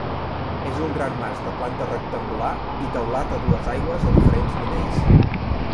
És un gran mas de planta rectangular i teulat a dues aigües a diferents nivells.